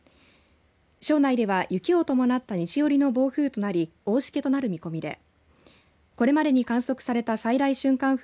庄内では雪を伴った西よりの暴風となり大しけとなる見込みでこれまでに観測された最大瞬間